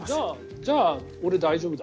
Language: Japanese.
じゃあ、俺大丈夫だ。